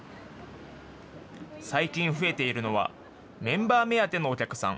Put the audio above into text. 最近増えているのは、メンバー目当てのお客さん。